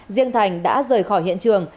riêng thành đã rời khỏi hiện trường